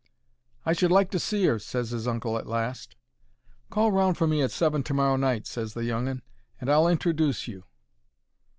"I should like to see 'er," ses his uncle at last. "Call round for me at seven to morrow night," ses the young 'un, "and I'll introduce you."